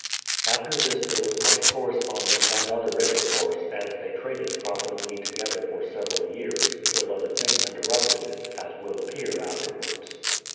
After this there was much correspondence and other intercourse, and they traded profitably together for sev eral years, till other things interrupted it, as will appear afterwards.